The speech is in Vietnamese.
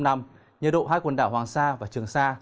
nhiệt độ hai quần đảo hoàng sa và trường sa